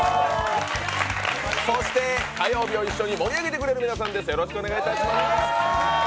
そして火曜日を一緒に盛り上げてくれる皆さんです。